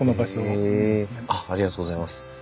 へえあっありがとうございます。